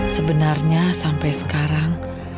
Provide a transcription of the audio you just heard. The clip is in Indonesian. sebenarnya sampai sekarang